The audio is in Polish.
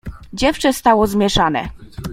"Dziewczę stało zmieszane."